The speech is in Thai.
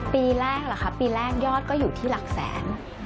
ปีแรกเหรอคะปีแรกยอดก็อยู่ที่หลักแสน